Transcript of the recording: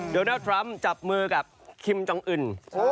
โดนัลดทรัมป์จับมือกับคิมจองอื่น